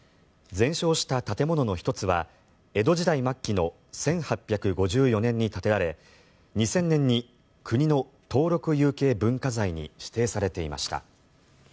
全焼した建物の１つは江戸時代末期の１８５４年に建てられ２０００年に国の登録有形文化財に指定されていました。